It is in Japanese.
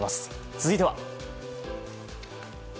続いては。